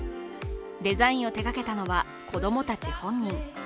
デザインを手がけたのは子供たち本人。